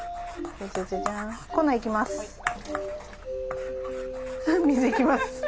粉いきます。